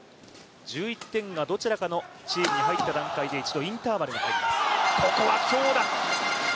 １１点がどちらかのチームに入った段階で一度インターバルが入ります。